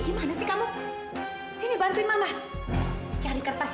kita kan belum melihat pak